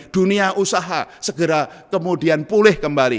dunia usaha segera kemudian pulih kembali